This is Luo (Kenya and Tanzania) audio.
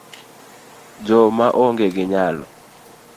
jo ma onge gi nyalo